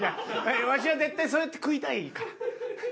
わしは絶対そうやって食いたいから。